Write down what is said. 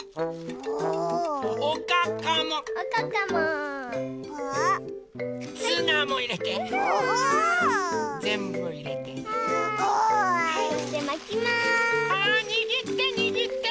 はいにぎってにぎって。